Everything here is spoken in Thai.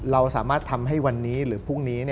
เราสามารถทำให้วันนี้หรือพรุ่งนี้